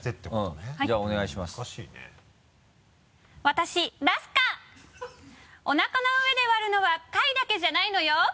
「私、ラスカ」「お腹の上で割るのは貝だけじゃないのよ」